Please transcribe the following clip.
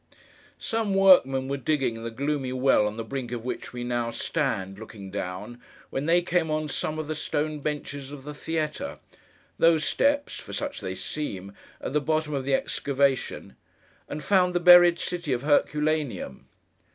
Some workmen were digging the gloomy well on the brink of which we now stand, looking down, when they came on some of the stone benches of the theatre—those steps (for such they seem) at the bottom of the excavation—and found the buried city of Herculaneum.